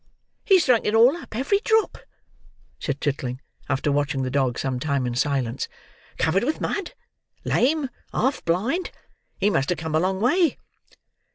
"He's drunk it all up, every drop," said Chitling after watching the dog some time in silence. "Covered with mud—lame—half blind—he must have come a long way."